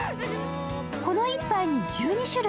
この１杯に１２種類。